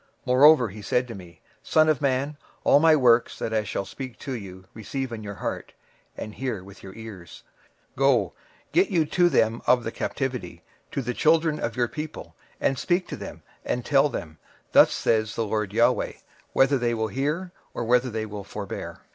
26:003:010 Moreover he said unto me, Son of man, all my words that I shall speak unto thee receive in thine heart, and hear with thine ears. 26:003:011 And go, get thee to them of the captivity, unto the children of thy people, and speak unto them, and tell them, Thus saith the Lord GOD; whether they will hear, or whether they will forbear.